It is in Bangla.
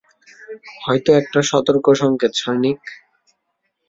হয়তো একটা সতর্ক সংকেত, সৈনিক।